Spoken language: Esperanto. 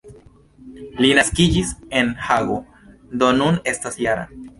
Li naskiĝis en Hago, do nun estas -jara.